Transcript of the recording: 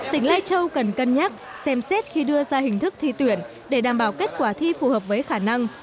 tỉnh lai châu cần cân nhắc xem xét khi đưa ra hình thức thi tuyển để đảm bảo kết quả thi phù hợp với khả năng